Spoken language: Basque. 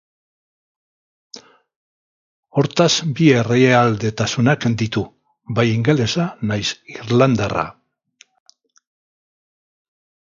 Hortaz, bi herrialdetasunak ditu, bai ingelesa nahiz irlandarra.